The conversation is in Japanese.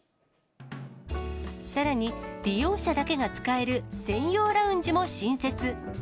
さらに、利用者だけが使える専用ラウンジも新設。